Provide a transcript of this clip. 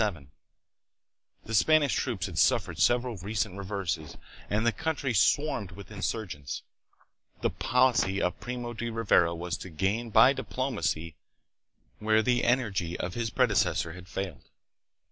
The Spanish troops had suffered several recent reverses and the country swarmed with insurgents. The policy of Primo de Rivera was to gain by diplomacy where the energy of his predecessor had failed.